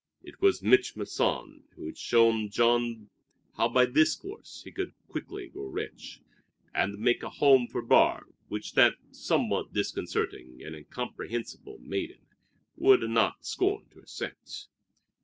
It was Mich' Masson who had shown Jean how by this course he could quickly grow rich, and make a home for Barbe which that somewhat disconcerting and incomprehensible maiden would not scorn to accept.